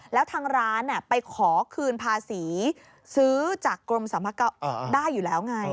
แล้วทางร้านไปขอคืนภาษีซื้อจากกรมได้อยู่แล้วไง